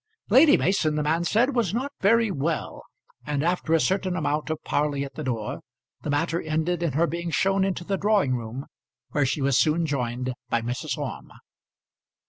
Lady Mason, the man said, was not very well, and after a certain amount of parley at the door the matter ended in her being shown into the drawing room, where she was soon joined by Mrs. Orme.